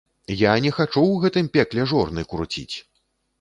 Я не хачу ў гэтым пекле жорны круціць!